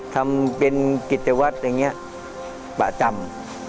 ทำเป็นกิจวัตรอย่างนี้ประจำ